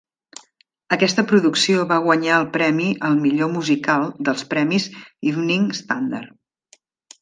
Aquesta producció va guanyar el premi al millor musical dels premis Evening Standard.